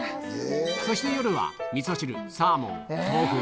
そして夜はみそ汁、サーモン、豆腐。